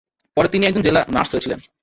পরে তিনি একজন জেলা নার্স হয়েছিলেন।